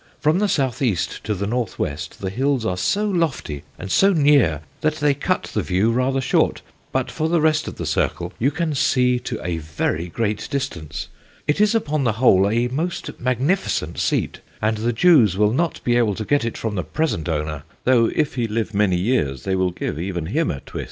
From the south east to the north west the hills are so lofty and so near that they cut the view rather short; but for the rest of the circle you can see to a very great distance. It is, upon the whole, a most magnificent seat, and the Jews will not be able to get it from the present owner, though if he live many years they will give even him a twist."